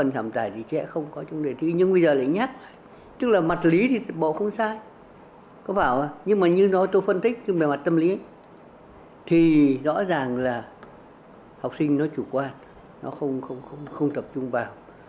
nó không tập trung vào